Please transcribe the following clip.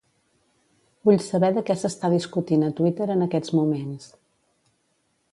Vull saber de què s'està discutint a Twitter en aquests moments.